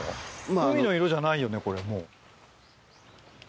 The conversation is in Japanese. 海の色じゃないよねこれもう。